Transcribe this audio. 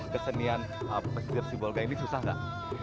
kesenian pesisir sibolga ini susah nggak